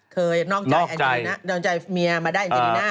เคยนอกใจแอนจิริน่านอกใจมียมาได้แอนจิริน่า